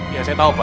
iya saya tau pak